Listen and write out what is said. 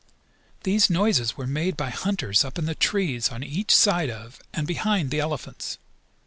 These noises were made by hunters up in the trees on each side of, and behind, the elephants.